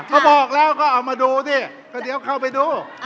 ก็บอกแล้วก็เอามาดูสิก็เดี๋ยวเข้าไปดู